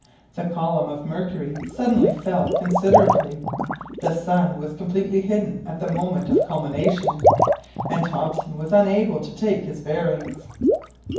The column of mercury suddenly fell considerably, the sun was completely hidden at the moment of culmination, and Hobson was unable to take his bearings.